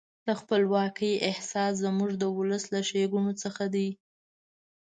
د خپلواکۍ احساس زموږ د ولس له ښېګڼو څخه دی.